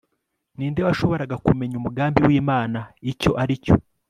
ninde washoboraga kumenya umugambi wimana icyo aricyo